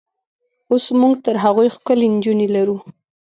اوس موږ تر هغوی ښکلې نجونې لرو.